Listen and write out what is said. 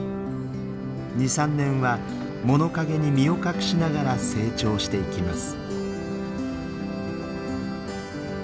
２３年は物陰に身を隠しながら成長していきます。